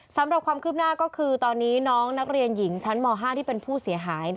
สำหรับความคืบหน้าก็คือตอนนี้น้องนักเรียนหญิงชั้นม๕ที่เป็นผู้เสียหาย